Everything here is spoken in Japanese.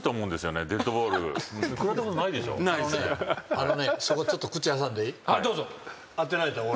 あのねそこちょっと口挟んでいい？